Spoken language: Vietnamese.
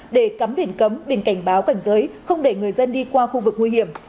để cắm biển cấm biển cảnh báo cảnh giới không để người dân đi qua khu vực nguy hiểm